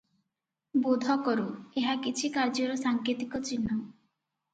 ବୋଧ କରୁ, ଏହା କିଛି କାର୍ଯ୍ୟର ସାଙ୍କେତିକ ଚିହ୍ନ ।